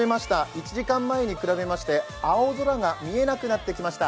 １時間前に比べまして、青空が見えなくなってきました。